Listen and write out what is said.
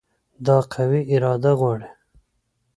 دا قوي اراده غواړي.